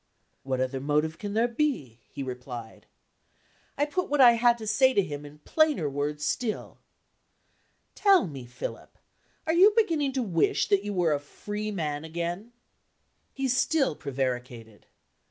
"What other motive can there be?" he replied. I put what I had to say to him in plainer words still. "Tell me, Philip, are you beginning to wish that you were a free man again?" He still prevaricated.